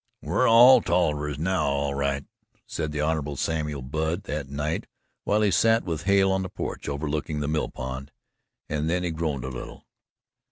"We're all Tollivers now all right," said the Hon. Samuel Budd that night while he sat with Hale on the porch overlooking the mill pond and then he groaned a little.